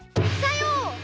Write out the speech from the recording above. さよう！